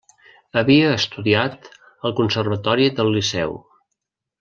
Havia estudiat al Conservatori del Liceu.